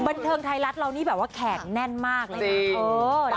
บันเทิงไทยรัฐเรานี่แบบว่าแขกแน่นมากเลยนะ